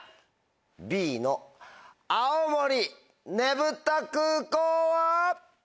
Ｂの「青森ねぶた空港」は？